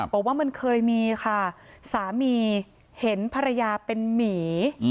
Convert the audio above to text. บอกว่ามันเคยมีค่ะสามีเห็นภรรยาเป็นหมี